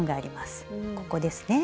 ここですね。